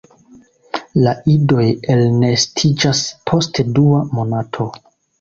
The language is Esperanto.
La idoj elnestiĝas post dua monato.